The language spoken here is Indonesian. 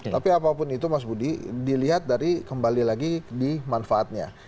tapi apapun itu mas budi dilihat dari kembali lagi di manfaatnya